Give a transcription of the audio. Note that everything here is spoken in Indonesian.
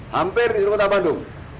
hampir di seluruh kota bandung